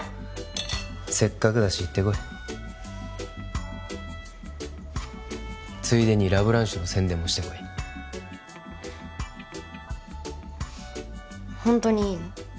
せっかくだし行ってこいついでにラ・ブランシュの宣伝もしてこいホントにいいの？